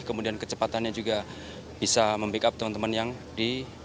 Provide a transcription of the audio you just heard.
kemudian kecepatannya juga bisa membackup teman teman yang di